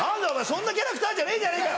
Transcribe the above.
そんなキャラクターじゃねえじゃねぇか」。